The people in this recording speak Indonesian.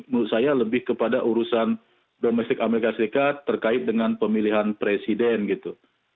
menurut saya lebih kepada urusan domestik amerika serikat terkait dengan pemilihan presiden gitu